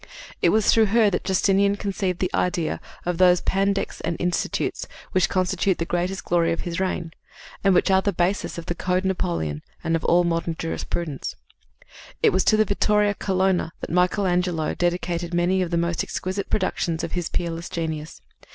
It was through her that Justinian conceived the idea of those Pandects and Institutes which constitute the greatest glory of his reign, and which are the basis of the Code Napoleon and of all modern jurisprudence. It was to Vittoria Colonna that Michaelangelo dedicated many of the most exquisite productions of his peerless genius.